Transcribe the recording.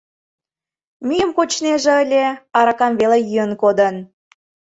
МӰЙЫМ КОЧНЕЖЕ ЫЛЕ, АРАКАМ ВЕЛЕ ЙӰЫН КОДЫН